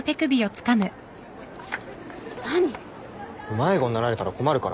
迷子になられたら困るから。